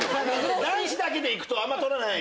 男子だけで行くとあんま撮らない。